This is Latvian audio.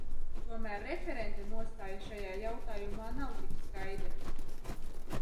Tomēr referenta nostāja šai jautājumā nav tik skaidra.